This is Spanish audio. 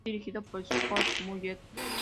Fue dirigido por Sophie Muller.